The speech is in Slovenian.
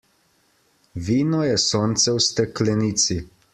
Vino je sonce v steklenici.